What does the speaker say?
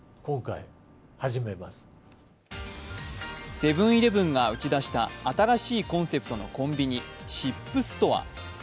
セブン−イレブンが打ち出した新しいコンセプトのコンビニＳＩＰストア。